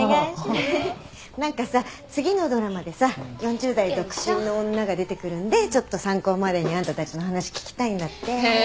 何かさ次のドラマでさ４０代独身の女が出てくるんでちょっと参考までにあんたたちの話聞きたいんだって。